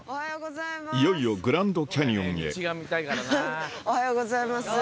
いよいよグランドキャニオンへおはようございます